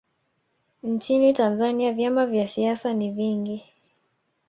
nchini tanzania vyama vya siasa ni vingi